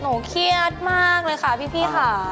เครียดมากเลยค่ะพี่ค่ะ